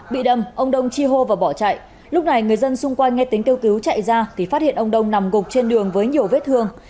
bị đâm ông đông chi hô và bỏ chạy lúc này người dân xung quanh nghe tính kêu cứu chạy ra thì phát hiện ông đông nằm gục trên đường với nhiều vết thương